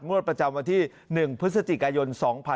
งวดประจำวันที่๑พฤศจิกายน๒๕๖๒